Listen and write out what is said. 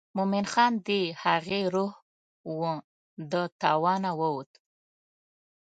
مومن خان د هغې روح و د توانه ووته.